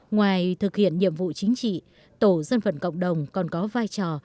ngoài thực hiện nhiệm vụ chính trị tổ dân vận cộng đồng còn có vai trò